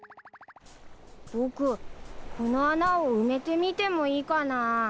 僕この穴を埋めてみてもいいかな？